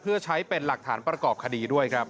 เพื่อใช้เป็นหลักฐานประกอบคดีด้วยครับ